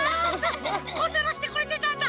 こんなのしてくれてたんだ！